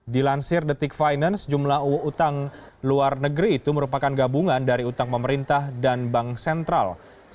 dilansir the tick finance jumlah utang luar negeri itu merupakan gabungan dari utang pemerintah dan bank sentral